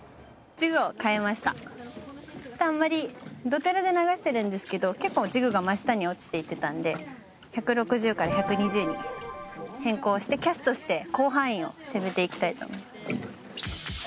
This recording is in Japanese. ちょっとあんまりドテラで流してるんですけど結構ジグが真下に落ちていってたんで１６０から１２０に変更してキャストして広範囲を攻めていきたいと思います